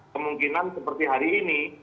kemungkinan seperti hari ini